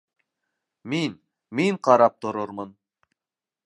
Мин, мин ҡарап торормон!